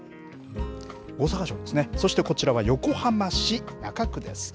大阪城ですね、そしてこちらは横浜市中区です。